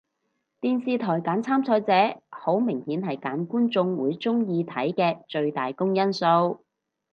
電視台揀參賽者好明顯係揀觀眾會鍾意睇嘅最大公因數